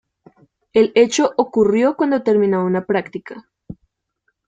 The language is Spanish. El hecho ocurrió cuando terminaba una práctica.